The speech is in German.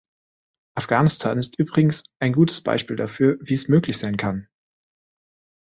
Afghanistan ist übrigens ein gutes Beispiel dafür, wie es möglich sein kann.